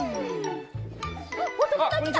あっおともだちだ。